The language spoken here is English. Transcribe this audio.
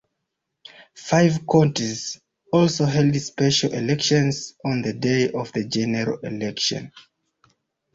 Five counties also held special elections on the day of the general election.